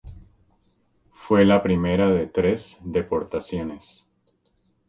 Fue la primera de tres deportaciones.